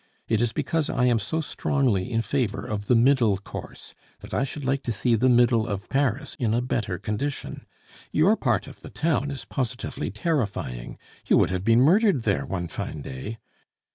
It is because I am so strongly in favor of the middle course that I should like to see the middle of Paris in a better condition. Your part of the town is positively terrifying. You would have been murdered there one fine day.